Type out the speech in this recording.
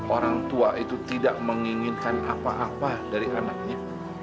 orang tua itu tidak menginginkan apa apa dari anaknya